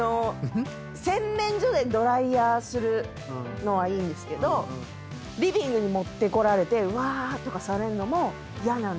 洗面所でドライヤーするのはいいんですけどリビングに持ってこられてうわーっとかされんのも嫌。